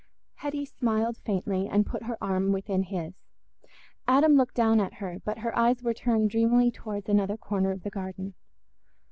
Hetty smiled faintly and put her arm within his. Adam looked down at her, but her eyes were turned dreamily towards another corner of the garden.